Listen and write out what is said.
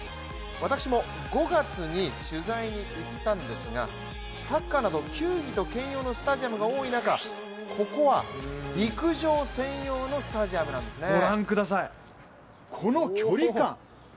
私も５月に取材に行ったんですがサッカーなど、球技と兼用のスタジアムが多い中、ここは陸上専用のスタジアムなんですね。